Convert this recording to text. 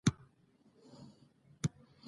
د هغوی غوښتنې پر معرفت اثر کړی دی